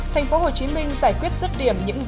thành phố hồ chí minh giải quyết rứt điểm những vương trình